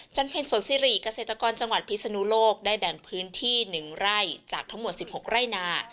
เพ็ญสนสิริเกษตรกรจังหวัดพิศนุโลกได้แบ่งพื้นที่๑ไร่จากทั้งหมด๑๖ไร่นา